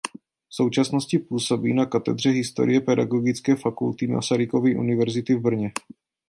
V současnosti působí na katedře historie Pedagogické fakulty Masarykovy univerzity v Brně.